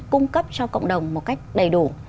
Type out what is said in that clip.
cung cấp cho cộng đồng một cách đầy đủ